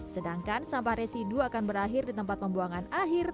sedangkan sampah residu akan berakhir di tempat pembuangan akhir